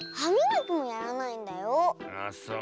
ああそう。